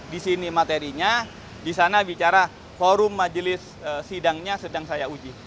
disini materinya disana bicara forum majelis sidangnya sedang saya uji